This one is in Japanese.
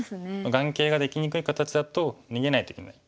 眼形ができにくい形だと逃げないといけない。